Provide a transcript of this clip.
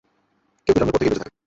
কেউ কেউ জন্মের পর থেকেই বেঁচে থাকে।